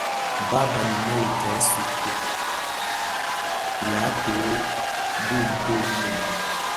Bààban inë le i ken, i sugtii, yaa tôg bì ki teri ntó wu mum.